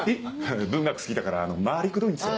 文学好きだから回りくどいんですよ。